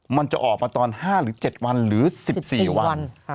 มันจะออกมาตอน๕หรือ๗วันหรือ๑๔วัน